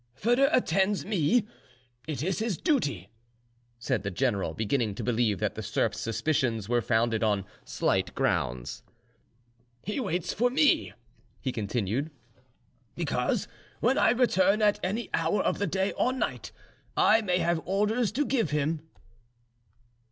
"Foedor attends me, it is his duty," said the general, beginning to believe that the serf's suspicions were founded on slight grounds. "He waits for me," he, continued, "because when I return, at any hour of the day or night, I may have orders to give him."